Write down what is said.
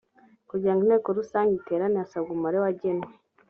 kugirango inteko rusange iterane hasabwa umubare wagenwe